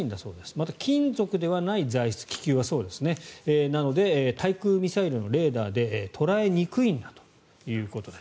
また、金属ではない材質気球はそうなので対空ミサイルのレーダーで捉えにくいんだということです。